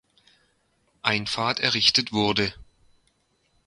Einfahrt errichtet wurde.